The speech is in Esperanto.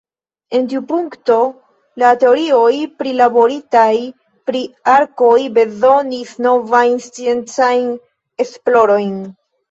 En tiu punkto la teorioj prilaboritaj pri arkoj bezonis novajn sciencajn esplorojn.